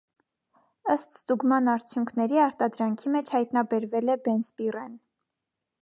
Ըստ ստուգման արդյունքների արտադրանքի մեջ հայտնաբերվել է բենզպիրեն։